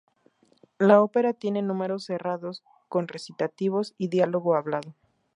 La ópera tiene números cerrados con recitativos y diálogo hablado.